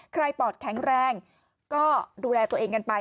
ปอดแข็งแรงก็ดูแลตัวเองกันไป